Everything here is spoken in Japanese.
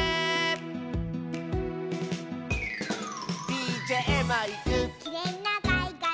「ＤＪマイク」「きれいなかいがら」